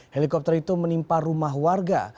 helikopter itu menimpa rumah warga